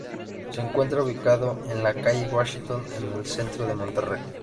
Se encuentra ubicado en la calle Washington en el centro de Monterrey.